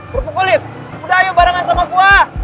berpukulit udah yuk barengan sama gue